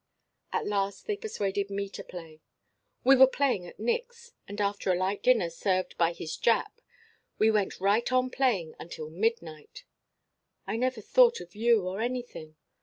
"At last they persuaded me to play. We were playing at Nick's, and after a light dinner served by his Jap, we went right on playing until midnight. I never thought of you or anything.